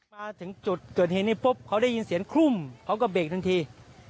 มาถึงจุดเกิดเหตุนี้ปุ๊บเขาได้ยินเสียงครุ่มเขาก็เบรกทันที